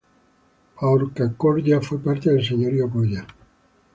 Paucarcolla fue parte del señorío colla.